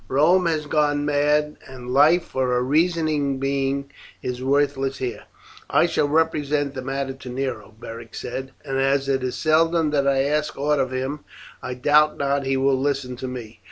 Rome has gone mad, and life for a reasoning being is worthless here." "I shall represent the matter to Nero," Beric said, "and as it is seldom that I ask aught of him, I doubt not he will listen to me.